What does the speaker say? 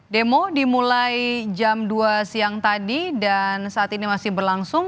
demo dimulai jam dua siang tadi dan saat ini masih berlangsung